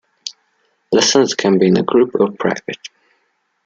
Lessons can be in a group or private.